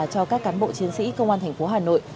cho các cán bộ chiến sĩ công an thành phố hà nội